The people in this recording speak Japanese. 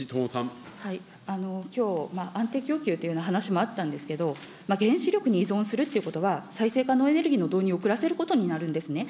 きょう、安定供給というような話もあったんですけど、原子力に依存するということは、再生可能エネルギーの導入を遅らせることになるんですね。